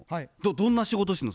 どんな仕事してんの？